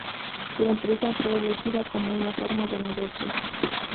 La empresa fue elegida como una forma de negocios.